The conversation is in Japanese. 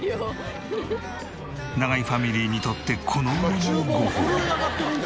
永井ファミリーにとってこの上ないごほうび。